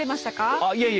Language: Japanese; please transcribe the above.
あっいえいえ